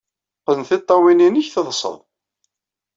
Qqen tiṭṭawin-nnek, teḍḍsed!